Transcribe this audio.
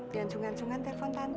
jangan sungan sungan telepon tante